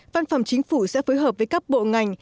văn phòng chính phủ sẽ phối hợp với các bộ ngành